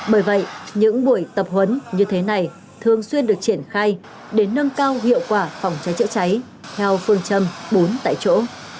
bởi vậy những buổi tập huấn như thế này thường xuyên được triển khai để nâng cao hiệu quả phòng cháy chữa cháy theo phương châm bốn tại chỗ